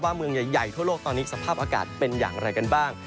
เมืองใหญ่ทั่วโลกตอนนี้สภาพอากาศเป็นอย่างไรกันบ้าง